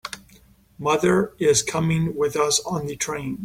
Mother is coming with us on the train.